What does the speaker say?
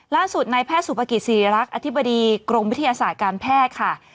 ล่าสุดในแพทย์สุภกิจศรีรักษ์อธิบดีกรมวิทยาศาสตร์การแพทย์ค่ะ